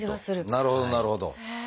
なるほどなるほど。